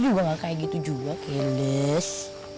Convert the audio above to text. juga kayak gitu juga keles